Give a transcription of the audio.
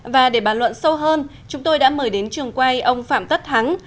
và để bàn luận sâu hơn chúng tôi đã mời đến trường quay ông phạm tất thắng